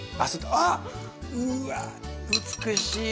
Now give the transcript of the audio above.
うわ美しい。